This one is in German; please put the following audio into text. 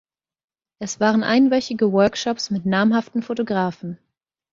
Es waren einwöchige Workshops mit namhaften Fotografen.